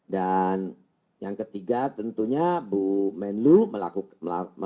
dan yang ketiga tentunya bu menlu melakukan